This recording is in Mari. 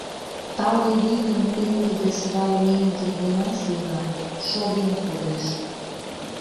Тале вийым пеҥгыде свай меҥге гына сеҥа, шоген кодеш.